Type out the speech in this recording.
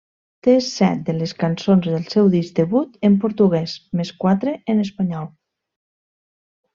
Té set de les cançons del seu disc debut en portuguès més quatre en espanyol.